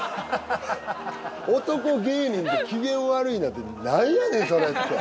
男芸人で機嫌悪いなんて何やねんそれって。